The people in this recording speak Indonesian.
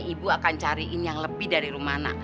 ibu akan cariin yang lebih dari rumana